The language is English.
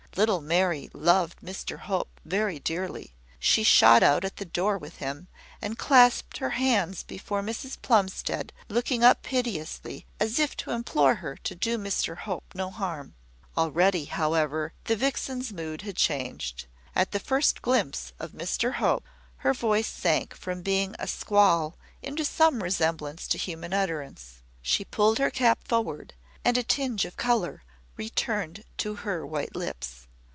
Little Mary loved Mr Hope very dearly. She shot out at the door with him, and clasped her hands before Mrs Plumstead, looking up piteously, as if to implore her to do Mr Hope no harm. Already, however, the vixen's mood had changed. At the first glimpse of Mr Hope, her voice sank from being a squall into some resemblance to human utterance. She pulled her cap forward, and a tinge of colour returned to her white lips.